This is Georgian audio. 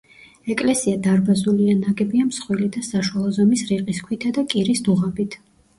ეკლესია დარბაზულია, ნაგებია მსხვილი და საშუალო ზომის რიყის ქვითა და კირის დუღაბით.